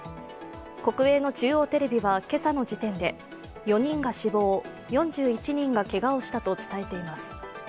国営の中央テレビは今朝の時点で４人が死亡、４１人がけがをしたと伝えています。